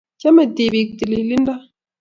Chame tibiik tililindo